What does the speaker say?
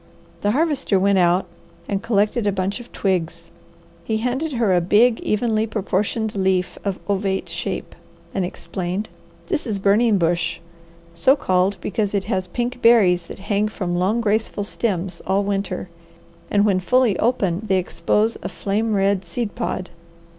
The Harvester went out and collected a bunch of twigs. He handed her a big, evenly proportioned leaf of ovate shape, and explained: "This is burning bush, so called because it has pink berries that hang from long, graceful stems all winter, and when fully open they expose a flame red seed pod.